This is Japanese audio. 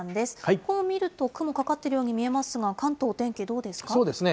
こう見ると、雲かかっているように見えますが、関東、お天気どうそうですね。